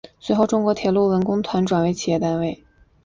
随后中国铁路文工团转为企业单位。